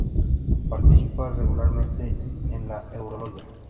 Participa regularmente en la Euroliga.